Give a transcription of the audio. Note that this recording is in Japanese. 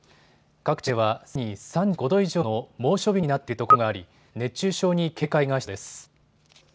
各地ではすでに３５度以上の猛暑日になっているところがあり熱中症に警戒が必要です。